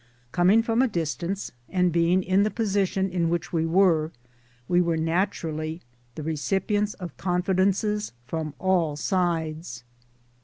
Coming from a distance and being in the position in which we were, we were naturally the recipients of con fidences from all sides.